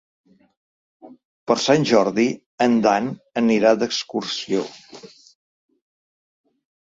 Per Sant Jordi en Dan anirà d'excursió.